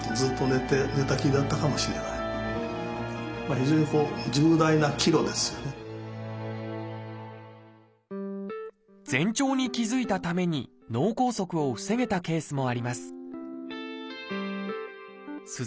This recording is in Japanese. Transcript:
非常にこう前兆に気付いたために脳梗塞を防げたケースもあります